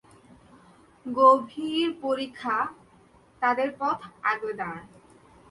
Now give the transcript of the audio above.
গভীর পরিখা তাদের পথ আগলে দাঁড়ায়।